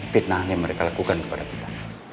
fitnah yang mereka lakukan kepada kita